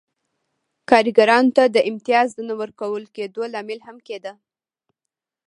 کارګرانو ته د امتیاز د نه ورکول کېدو لامل هم کېده.